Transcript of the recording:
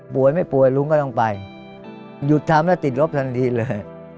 ป่วยไม่ป่วยลุงก็ต้องไปหยุดทำแล้วติดลบทันทีเลย